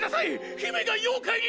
姫が妖怪に！